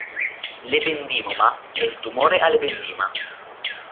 L'ependimoma è il tumore all'ependima.